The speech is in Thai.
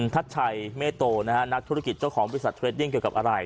ชัดชัยเมตโตนะฮะนักธุรกิจเจ้าของบริษัทเทรดดิ้งเกี่ยวกับอะไร